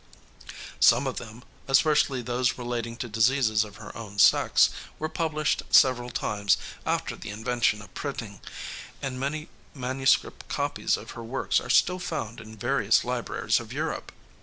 Some of them, especially those relating to diseases of her own sex, were published several times after the invention of printing, and many manuscript copies of her works are still found in various libraries of Europe.